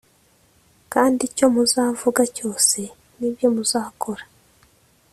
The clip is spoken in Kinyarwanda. Kandi icyo muzavuga cyose n ibyo muzakora